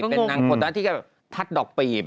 เป็นนางโคต้าที่จะแบบทัดดอกปีบ